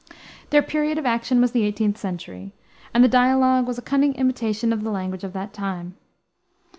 Their period of action was the 18th century, and the dialogue was a cunning imitation of the language of that time.